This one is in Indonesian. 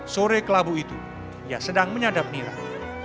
sore kelabu itu ia sedang menyadap nirai